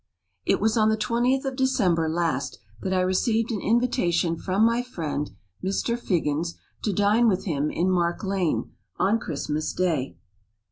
It was on the twentieth of December last that I received an invitation from my friend, Mr. Phiggins, to dine with him in Mark Lane, on Christmas Day.